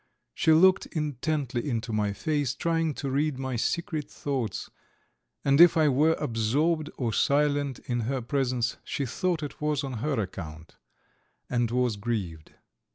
She looked intently into my face, trying to read my secret thoughts, and if I were absorbed or silent in her presence she thought this was on her account, and was grieved.